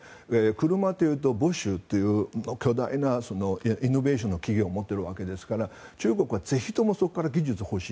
車というとブッシュという巨大なイノベーションの企業を持っているわけですから中国はぜひともそこから技術が欲しい。